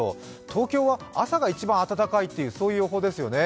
東京は朝が一番暖かいという予報ですよね？